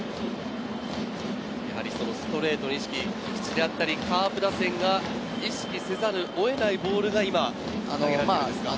ストレートの意識、菊池であったりカープ打線が意識せざるを得ないボールが今、投げられてるわけですか？